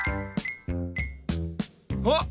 あっ！